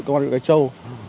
công an nguyễn cái châu